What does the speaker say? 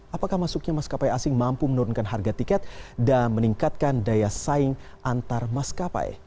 apakah masuknya maskapai asing mampu menurunkan harga tiket dan meningkatkan daya saing antar maskapai